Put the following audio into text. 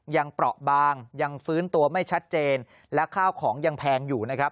เปราะบางยังฟื้นตัวไม่ชัดเจนและข้าวของยังแพงอยู่นะครับ